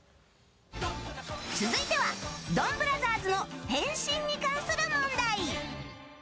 続いては、ドンブラザーズの変身に関する問題。